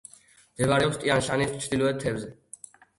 მდებარეობს ტიან-შანის ჩრდილოეთ მთებზე.